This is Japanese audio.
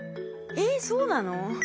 えそうなの？